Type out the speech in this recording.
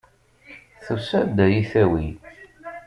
Tusa-d ad yi-tawi.